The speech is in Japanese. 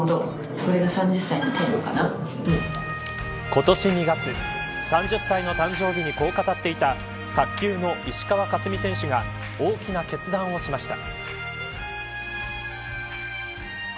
今年２月３０歳の誕生日にこう語っていた卓球の石川佳純選手が大きな決断をしました。